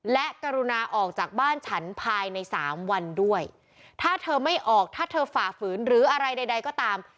และกรุณาออกจากบ้านฉันภายในสามวันด้วยถ้าเธอไม่ออกถ้าเธอฝ่าฝืนหรืออะไรใดใดก็ตาม